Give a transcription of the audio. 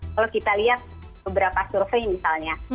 kalau kita lihat beberapa survei misalnya